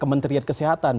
kementerian kesehatan nasional